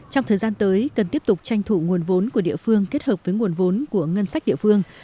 trong thời gian tới cần tiếp tục tranh thủ nguồn vốn của địa phương kết hợp với nguồn vốn của ngân sách địa phương